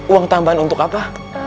uang tambahan untuk apa